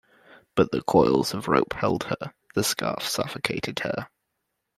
But the coils of rope held her; the scarf suffocated her.